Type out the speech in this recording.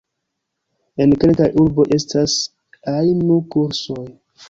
En kelkaj urboj estas ainu-kursoj.